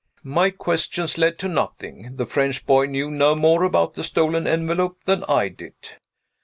My questions led to nothing. The French boy knew no more about the stolen envelope than I did.